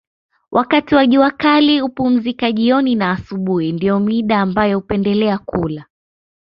Wakati wa jua kali hupumzika jioni na asubuhi ndio mida ambayo hupendelea kula